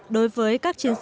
đối với các chiến sĩ